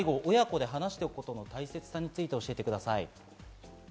改めて介護、親子で話しておくことの大切さについて教えてください。